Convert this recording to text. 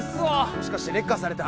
もしかしてレッカーされた？